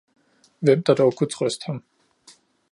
Hvem der dog kunne trøste ham!